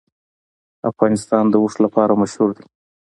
افغانستان د اوښ لپاره مشهور دی.